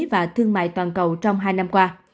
và thương mại toàn cầu trong hai năm qua